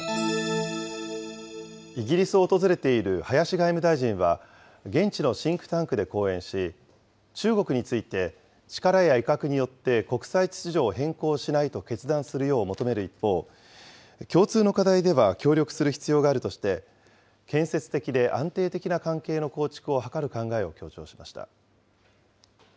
イギリスを訪れている林外務大臣は、現地のシンクタンクで講演し、中国について、力や威嚇によって国際秩序を変更しないと決断するよう求める一方、共通の課題では協力する必要があるとして、建設的で安定的な関係の構築を図る考えを強調しました。